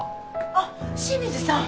あっ清水さん！